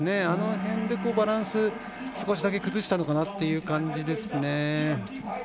あの辺で、バランス少しだけ崩したのかなという感じですね。